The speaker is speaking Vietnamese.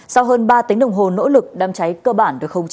sau hơn ba tiếng đồng hồ nỗ lực đám cháy cơ bản được không chế